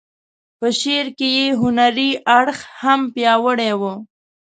په شعر کې یې هنري اړخ هم پیاوړی و.